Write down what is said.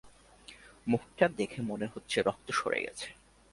মুখটা দেখে মনে হচ্ছে রক্ত সরে গেছে।